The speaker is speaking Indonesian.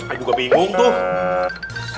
aduh gue bingung tuh